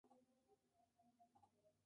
La medida fue aprobada y entró en vigor.